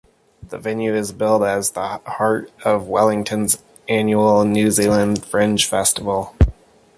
The venue is billed as the 'heart' of Wellington's annual New Zealand Fringe Festival.